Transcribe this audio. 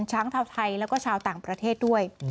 ชาวไทยแล้วก็ชาวต่างประเทศด้วย